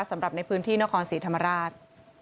สำหรับในพื้นที่นครศรีธรรมราช